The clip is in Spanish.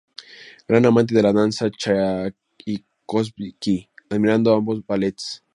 Gran amante de la danza, Chaikovski admiró ambos ballets.